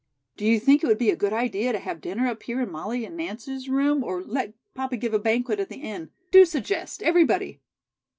Do you think it would be a good idea to have dinner up here in Molly's and Nance's room, or let papa give a banquet at the Inn? Do suggest, everybody."